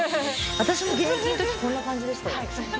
私も現役の時こんな感じでしたよ。